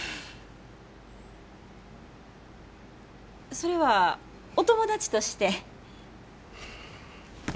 それはお友達として？